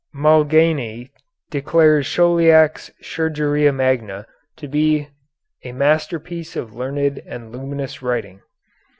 Malgaigne declares Chauliac's "Chirurgia Magna" to be "a masterpiece of learned and luminous writing."